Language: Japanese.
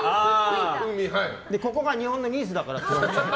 ここが日本のニースだからって。